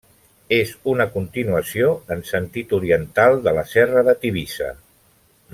És una continuació en sentit oriental de la serra de Tivissa.